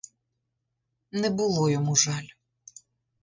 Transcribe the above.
Не було йому жаль.